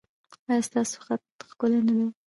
ایا ستاسو خط ښکلی نه دی؟